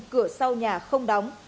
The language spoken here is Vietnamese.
cửa sau nhà không đóng